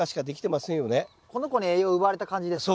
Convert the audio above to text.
この子に栄養奪われた感じですか？